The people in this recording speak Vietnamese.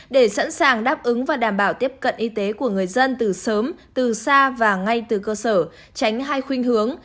để sẵn sàng đáp ứng và đảm bảo tiếp cận y tế của người dân từ sớm từ xa và ngay từ cơ sở tránh hai khuyên hướng